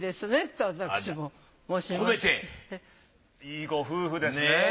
いいご夫婦ですね。ねぇ。